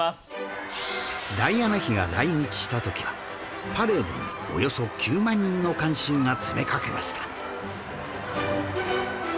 ダイアナ妃が来日した時はパレードにおよそ９万人の観衆が詰めかけました